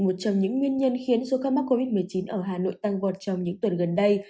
một trong những nguyên nhân khiến số ca mắc covid một mươi chín ở hà nội tăng vọt trong những tuần gần đây